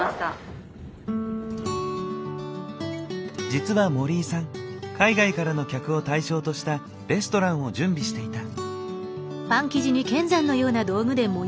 実は盛井さん海外からの客を対象としたレストランを準備していた。